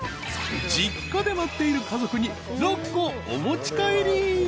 ［実家で待っている家族に６個お持ち帰り］